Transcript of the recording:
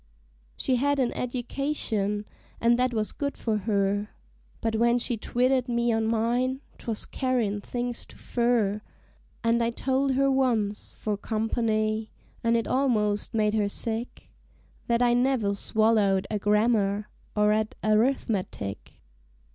She had an edication, an' that was good for her; But when she twitted me on mine, 'twas carryin' things too fur; An' I told her once, 'fore company (an' it almost made her sick), That I never swallowed a grammar, or 'et a rithmetic.